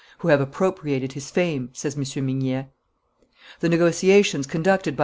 "who have appropriated his fame," says M. Mignet. The negotiations conducted by M.